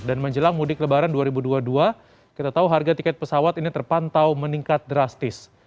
dan menjelang mudik lebaran dua ribu dua puluh dua kita tahu harga tiket pesawat ini terpantau meningkat drastis